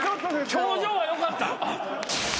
表情はよかったぞ。